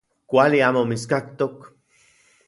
Kuali amo mitskaktok.